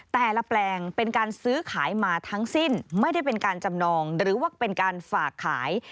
แต่ละแปลงเป็นการซื้อขายมาทั้งสิ้นไม่ได้เป็นการจำนองหรือว่าเป็นการฝากขาย